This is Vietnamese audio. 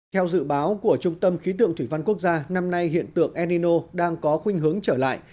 theo dự báo của trung tâm khí tượng thủy văn quốc gia năm nay hiện tượng enino đang có khuyên hướng trở lại